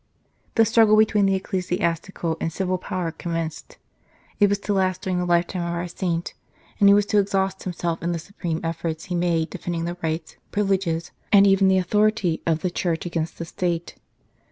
The struggle between the ecclesiastical and civil power commenced. It was to last during the lifetime of our saint, and he was to exhaust himself in the supreme efforts he made defending the rights, privileges, and even the authority, of the Church against the State.